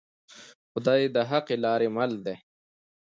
خدای د حقې لارې مل دی